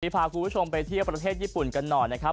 พาคุณผู้ชมไปเที่ยวประเทศญี่ปุ่นกันหน่อยนะครับ